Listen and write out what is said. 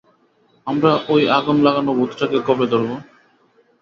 আমরা ওই আগুন লাগানো ভূতটাকে কবে ধরবো?